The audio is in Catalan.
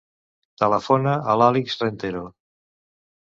Telefona a l'Alix Rentero.